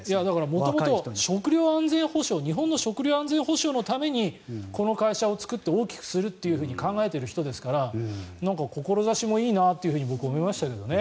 元々日本の食料安全保障のためにこの会社を作って大きくすると考えている人ですから志もいいなと僕は思いましたけどね。